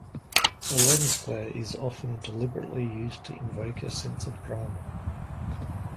A lens flare is often deliberately used to invoke a sense of drama.